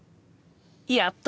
やった！